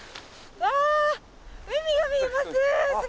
うわ海が見えます！